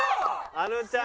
あのちゃん！